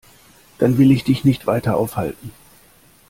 Dann will ich dich nicht weiter aufhalten.